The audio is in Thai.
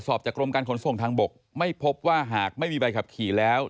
สอบจากกรมการขนส่งทางบกไม่พบว่าหากไม่มีใบขับขี่แล้ว